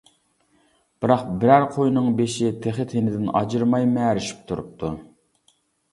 بىراق بىرەر قوينىڭ بېشى تېخى تېنىدىن ئاجرىماي مەرىشىپ تۇرۇپتۇ.